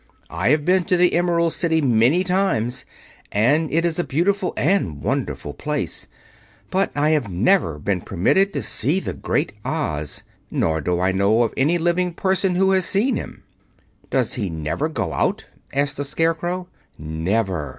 I have been to the Emerald City many times, and it is a beautiful and wonderful place; but I have never been permitted to see the Great Oz, nor do I know of any living person who has seen him." "Does he never go out?" asked the Scarecrow. "Never.